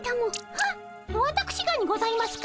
はっわたくしがにございますか？